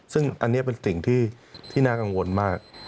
ซึ่งอันนี้เป็นสิ่งที่น่ากังวลมาก